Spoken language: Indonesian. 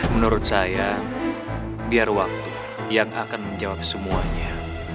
menurut saya biar waktu yang akan menjawab semuanya